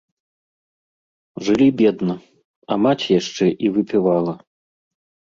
Жылі бедна, а маці яшчэ і выпівала.